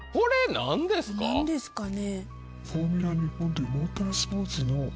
何ですかね？